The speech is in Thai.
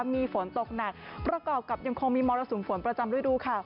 มีฝนตกหนักประกอบกับยังคงมีมรสุมฝนประจำฤดูค่ะ